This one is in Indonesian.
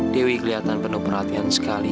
dewi kelihatan penuh perhatian sekali